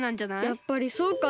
やっぱりそうかな。